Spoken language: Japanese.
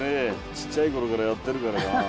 ちっちゃい頃からやってるからかな。